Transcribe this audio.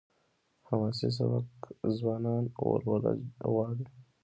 حماسي سبک ځوانه ولوله غواړي.